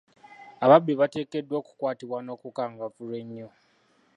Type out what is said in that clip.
Ababbi bateekeddwa okukwatibwa n'okukangavvulwa ennyo.